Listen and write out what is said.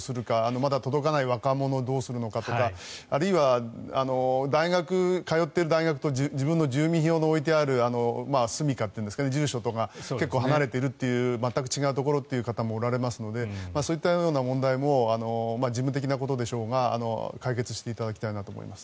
まだ届かない若者はどうするのかとかあるいは通っている大学と自分の住民票の置いてある住みかというか住所が結構離れている全く違うところという方もおられますのでそういった問題も事務的なことでしょうが解決していただきたいなと思います。